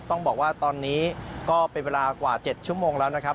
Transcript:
ต้องบอกว่าตอนนี้ก็เป็นเวลากว่า๗ชั่วโมงแล้วนะครับ